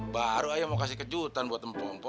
baru aja mau kasih kejutan buat mpong mpong